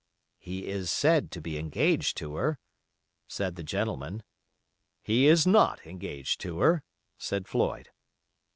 "He is said to be engaged to her," said the gentleman. "He is not engaged to her," said Floyd.